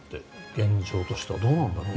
現状としてはどうなんだろう。